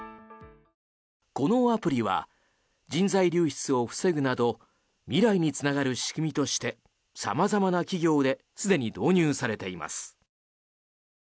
このアプリは人材流出を防ぐなど未来につながる仕組みとして様々な企業ですでに導入されています。